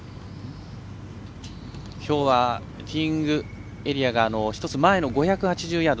きょうはティーイングエリアが１つ前の５８０ヤード。